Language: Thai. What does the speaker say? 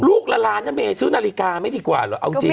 ลูกละล้านเนี่ยเมซซื้อนาฬิกาไม่ดีกว่าหรอเอาจริง